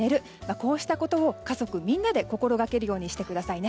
こうしたことを家族みんなで心がけるようにしてくださいね。